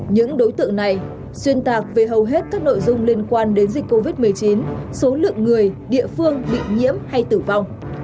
những đối tượng này xuyên tạc về hầu hết các nội dung liên quan đến dịch covid một mươi chín số lượng người địa phương bị nhiễm hay tử vong